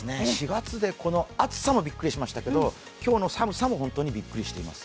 ４月で暑さもびっくりしましたけど今日の寒さも本当にびっくりしています。